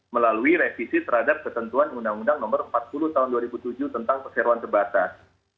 melalui revisi terhadap ketentuan undang undang nomor empat puluh tahun dua ribu tujuh tentang perseroan terbatas